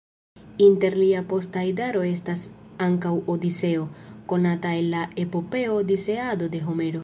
Inter lia posta idaro estas ankaŭ Odiseo, konata el la epopeo Odiseado de Homero.